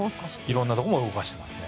いろんなところも動かしていますね。